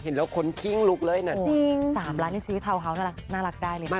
เห็นแล้วคนคิ้งลุกเลยหน่อย